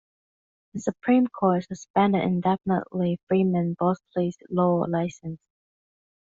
The Supreme Court suspended indefinitely Freeman Bosley's law license.